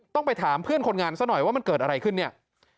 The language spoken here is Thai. ไปถามเพื่อนคนงานซะหน่อยว่ามันเกิดอะไรขึ้นเนี่ย